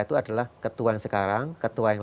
itu adalah ketua yang sekarang ketua yang